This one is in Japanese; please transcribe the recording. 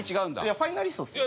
ファイナリストですよ。